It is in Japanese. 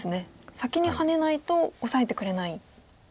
先にハネないとオサえてくれないということでも。